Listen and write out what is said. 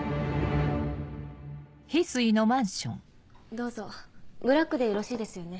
どうぞブラックでよろしいですよね？